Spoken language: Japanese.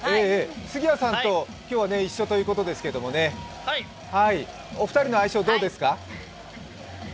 杉谷さんと今日は一緒ということですけれどもお二人の相性はどうですか？